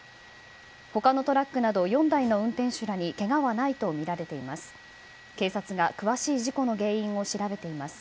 他のトラックなど４台の運転手らにけがはないとみられています。